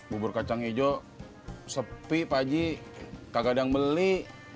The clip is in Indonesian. bubur kacang hijau sepi pak ji kagak ada yang beli